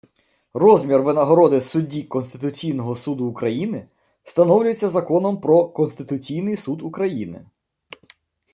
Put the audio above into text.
Розмір винагороди судді Конституційного Суду України встановлюється законом про Конституційний Суд України